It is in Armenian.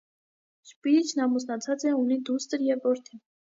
Շպիրիչն ամուսնացած է, ունի դուստր և որդի։